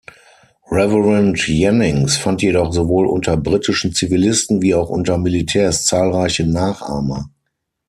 Reverend Jennings fand jedoch sowohl unter britischen Zivilisten wie auch unter Militärs zahlreiche Nachahmer.